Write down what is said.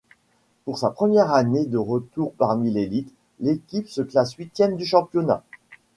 Pour sa première année de retour parmi l'élite, l'équipe se classe huitième du championnat.